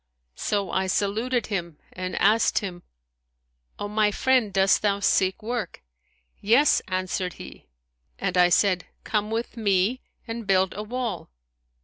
So I saluted him and asked him, O my friend, dost thou seek work?' Yes,' answered he; and I said, Come with me and build a wall.'